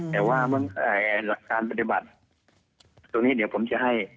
แต่ว่าการปฏิบัติตรงนี้เดี๋ยวผมจะให้